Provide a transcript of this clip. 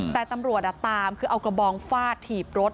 แต่ตำรวจตามคือเอากระบองฟาดถีบรถ